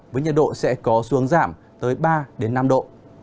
với nhiệt độ sẽ có xuống giảm tới ba năm độ